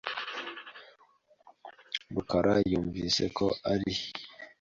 rukara yumvise ko ari